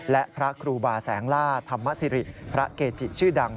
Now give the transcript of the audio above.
และพระครูบาแสงล่าธรรมสิริพระเกจิชื่อดัง